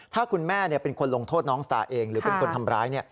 ถ้าคุณแม่เป็นคนลงโทษน้องสตาเองหรือเป็นคนทำร้าย